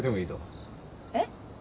えっ？